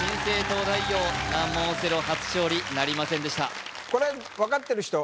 東大王難問オセロ初勝利なりませんでした